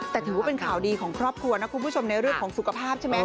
แต่ถือว่าเป็นข่าวดีของครอบครัวนะคุณผู้ชมในเรื่องของสุขภาพใช่ไหม